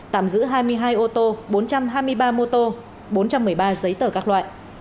tạm giữ hai mươi hai ô tô bốn trăm hai mươi ba mô tô bốn trăm một mươi ba giấy tờ các loại